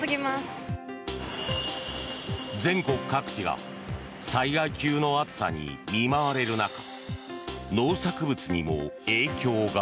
全国各地が災害級の暑さに見舞われる中農作物にも影響が。